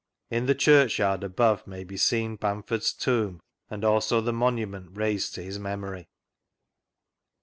In the Chuichyard above may be seen Bamford's tomb and also the monument raised to his memory.